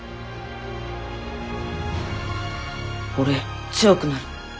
俺強くなる。